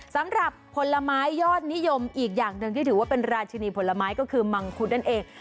สำหรับผลไม้ยอดนิยมอีกอย่างหนึ่งที่ถือว่าเป็นราชินีผลไม้ก็คือมังคุดนั่นเอง